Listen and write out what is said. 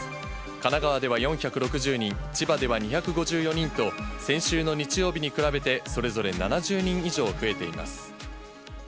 神奈川では４６０人、千葉では２５４人と、先週の日曜日に比べて、それぞれ７０人以上増えています。